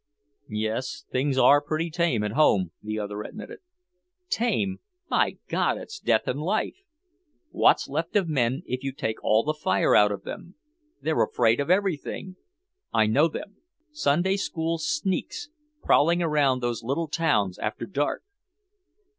"Yes, things are pretty tame at home," the other admitted. "Tame? My God, it's death in life! What's left of men if you take all the fire out of them? They're afraid of everything. I know them; Sunday school sneaks, prowling around those little towns after dark!"